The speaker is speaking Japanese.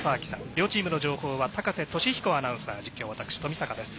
両チームの情報は高瀬登志彦アナウンサー実況、私、冨坂です。